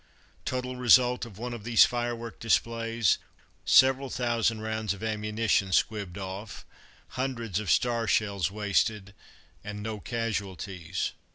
Total result of one of these firework displays: several thousand rounds of ammunition squibbed off, hundreds of star shells wasted, and no casualties.